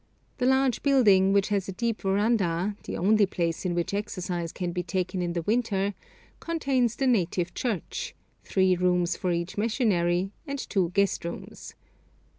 The large building, which has a deep verandah, the only place in which exercise can be taken in the winter, contains the native church, three rooms for each missionary, and two guest rooms.